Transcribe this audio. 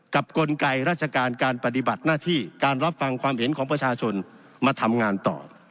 กลไกราชการการปฏิบัติหน้าที่การรับฟังความเห็นของประชาชนมาทำงานต่อ